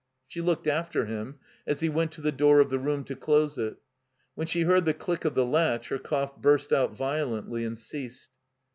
She looked after him as he went to the door of the room to close it. When she heard the click of the latch her cough bmst out violently and ceased.